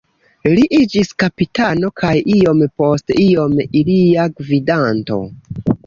Li iĝis kapitano kaj iom post iom ilia gvidanto.